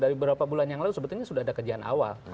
dari beberapa bulan yang lalu sebetulnya sudah ada kerjaan awal